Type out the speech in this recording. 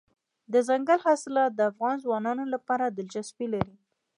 دځنګل حاصلات د افغان ځوانانو لپاره دلچسپي لري.